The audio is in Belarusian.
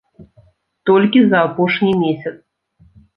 Толькі за апошні месяц.